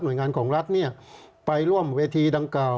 หน่วยงานของรัฐเนี่ยไปร่วมเวทีดังกล่าว